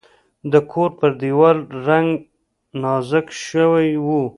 د کور پر دیوال رنګ نازک شوی و.